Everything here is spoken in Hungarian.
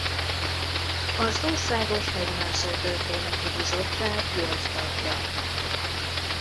Az Országos Hegymászó Történeti Bizottság volt tagja.